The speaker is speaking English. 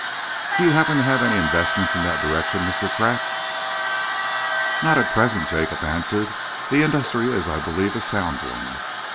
Do you happen to have any investments in that direction, Mr. Pratt?" "Not at present," Jacob answered. "The industry is, I believe, a sound one."